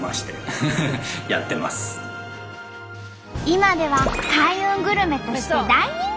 今では開運グルメとして大人気に。